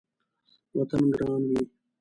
وطن ګران وي